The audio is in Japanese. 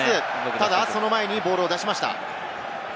ただ、その前にボールを出しました。